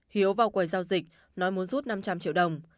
hiếu vào quầy giao dịch nói muốn rút năm trăm linh triệu đồng